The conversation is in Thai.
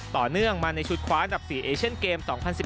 ต่อเนื่องมาในชุดคว้าอันดับ๔เอเชนเกม๒๐๑๘